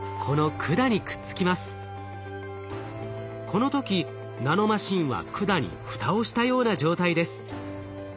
この時ナノマシンは管に蓋をしたような状態です。